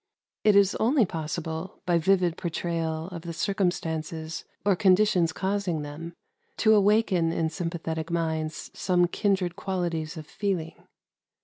It is only possible, by vivid portrayal of the circumstances or conditions causing them, to awaken in sympathetic minds some kindred qualities of feeling.